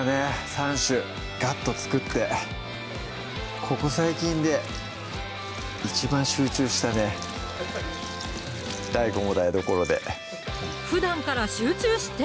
３種ガッと作ってここ最近で一番集中したねＤＡＩＧＯも台所でふだんから集中して！